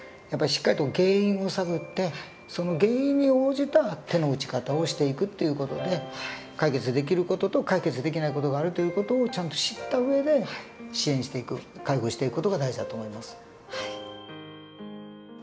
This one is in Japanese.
やっぱりしっかりと原因を探ってその原因に応じた手の打ち方をしていくっていう事で解決できる事と解決できない事があるという事をちゃんと知った上で支援していく介護していく事が大事だと思います。